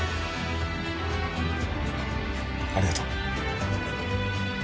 ありがとう。